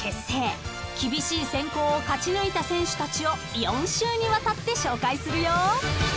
［厳しい選考を勝ち抜いた選手たちを４週にわたって紹介するよ］